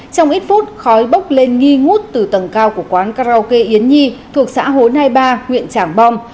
trong ít phút khói bốc lên nghi ngút từ tầng cao của quán karaoke yến nhi thuộc xã hồ nai ba huyện trảng bom